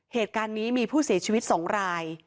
เหตุการณ์นี้มีผู้เสียชีวิต๒ราย